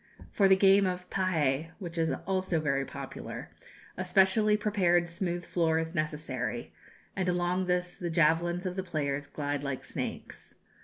For the game of pahé, which is also very popular, a specially prepared smooth floor is necessary, and along this the javelins of the players glide like snakes.